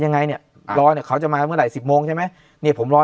ยังไงเนี่ยรอเนี่ยเขาจะมาเมื่อไหร่สิบโมงใช่ไหมเนี่ยผมรอ